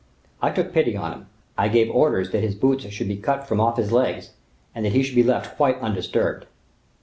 I took pity on him; I gave orders that his boots should be cut from off his legs, and that he should be left quite undisturbed."